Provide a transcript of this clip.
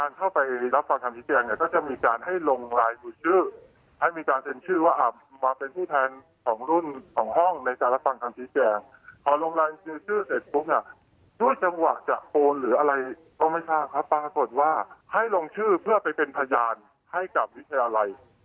อาจารย์จอมชัยที่มาเปิดเผยเรื่องราวในวิทยาลัย